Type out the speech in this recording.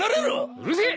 うるせえ！